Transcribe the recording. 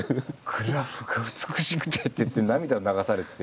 「グラフが美しくて」って言って涙を流されてて。